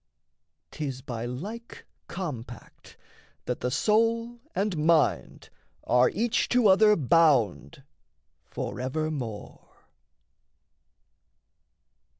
'Tis by like compact that the soul and mind Are each to other bound forevermore.